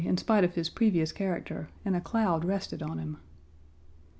Page 44 in spite of his previous character, and a cloud rested on him.